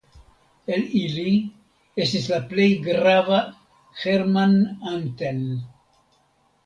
El ili estis la plej grava Hermann Antell.